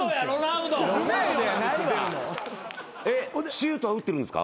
シュートは打ってるんですか？